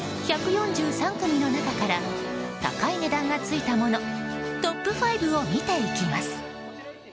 １４３組の中から高い値段がついたものトップ５を見ていきます。